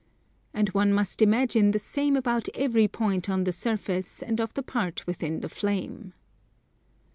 And one must imagine the same about every point of the surface and of the part within the flame.